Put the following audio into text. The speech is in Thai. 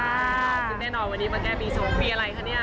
เชื่อไม่ได้หน่อยวันนี้มะแก่ปีชงเปียอะไรค่ะนี่